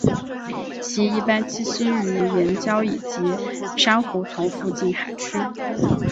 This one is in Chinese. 其一般栖息于岩礁以及珊瑚丛附近海区。